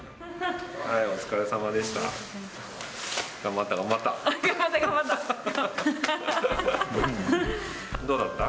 お疲れさまでした。